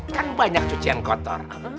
kan banyak cucian kotor